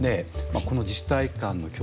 この自治体間の競争。